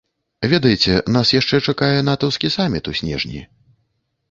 Ведаеце, нас яшчэ чакае натаўскі саміт у снежні.